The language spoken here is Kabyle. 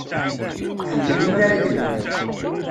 Ḥemmel inaragen-nnem.